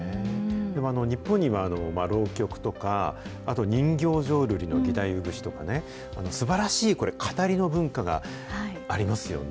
でも、日本には浪曲とか、あと人形浄瑠璃の義太夫節とかね、すばらしい語りの文化がありますよね。